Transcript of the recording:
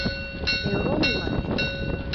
Тый орол улат вет?